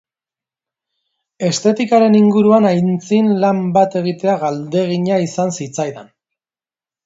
Estetikaren inguruan aitzin lan bat egitea galdegina izan zitzaidan.